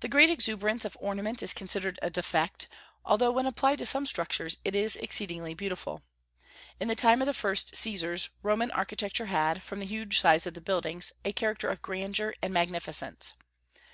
The great exuberance of ornament is considered a defect, although when applied to some structures it is exceedingly beautiful. In the time of the first Caesars Roman architecture had, from the huge size of the buildings, a character of grandeur and magnificence.